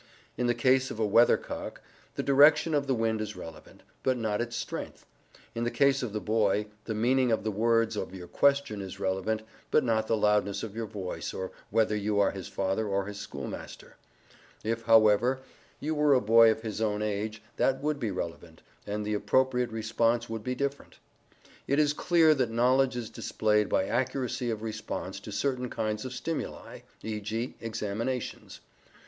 In the case of a weather cock, the direction of the wind is relevant, but not its strength; in the case of the boy, the meaning of the words of your question is relevant, but not the loudness of your voice, or whether you are his father or his schoolmaster If, however, you were a boy of his own age, that would be relevant, and the appropriate response would be different. It is clear that knowledge is displayed by accuracy of response to certain kinds of stimuli, e.g. examinations.